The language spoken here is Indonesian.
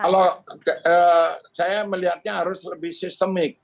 kalau saya melihatnya harus lebih sistemik